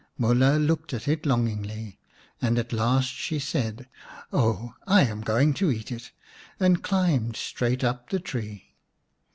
Mulha looked at it longingly, and at last she said, " Oh ! I am going to eat it !" and climbed straight up the tree.